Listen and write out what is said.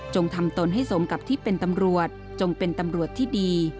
ทำตนให้สมกับที่เป็นตำรวจจงเป็นตำรวจที่ดี